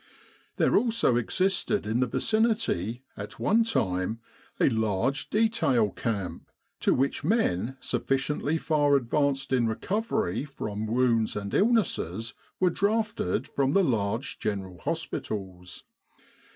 There also existed in the vicinity, at one time, a large Detail Camp, to which men sufficiently far advanced in recovery from wounds and illnesses were drafted from the large General Hospitals.